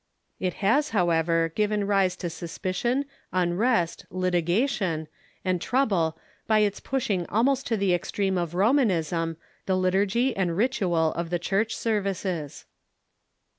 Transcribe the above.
It has, however, given rise to suspicion, unrest, litigation, and trouble by its ])ushing almost to the extreme of Romanism the liturgy and ritual of the Church services.